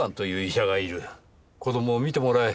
子供を診てもらえ。